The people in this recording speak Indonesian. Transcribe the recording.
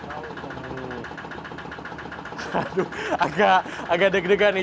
waduh agak deg degan nih